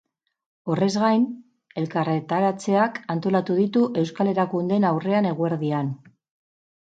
Horrez gain, elkarretaratzeak antolatu ditu euskal erakundeen aurrean eguerdian.